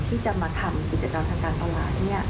ที่จะมาทำกิจกรรมทางการตลาด